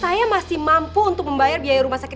saya masih mampu untuk membayar biaya rumah sakit